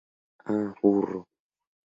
Ah burro.